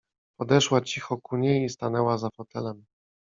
Podeszła cicho ku niej i stanęła za fotelem.